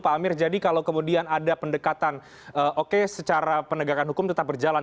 pak amir jadi kalau kemudian ada pendekatan oke secara penegakan hukum tetap berjalan